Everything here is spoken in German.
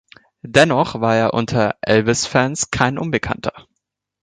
Dennoch war er unter Elvis-Fans kein Unbekannter.